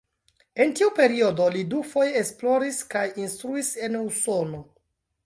En tiu periodo li dufoje esploris kaj instruis en Usono.